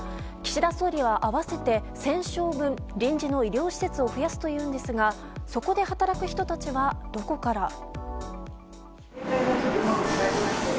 岸田総理は、合わせて１０００床分、臨時の医療施設を増やすというんですが、そこで働く人たちはどこから？